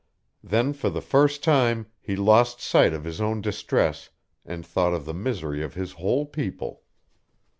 Then for the first time he lost sight of his own distress and thought of the misery of his whole people.